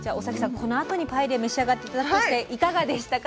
このあとにパエリア召し上がって頂くとしていかがでしたか？